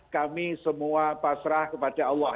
kami semua pasrah kepada allah